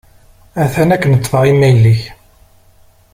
Atan akken ṭṭfeɣ imayl-ik.